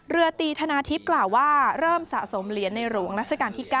เรือตีธนาทิพย์กล่าวว่าเริ่มสะสมเหรียญในหลวงรัชกาลที่๙